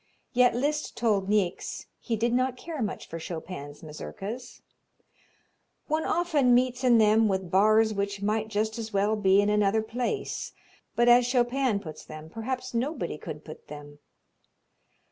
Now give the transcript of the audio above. Yet Liszt told Niecks he did not care much for Chopin's Mazurkas. "One often meets in them with bars which might just as well be in another place. But as Chopin puts them perhaps nobody could have put them."